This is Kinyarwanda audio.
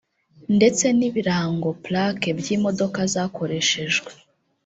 ndetse n’ibirango (plaque) by’imodoka zakoreshejwe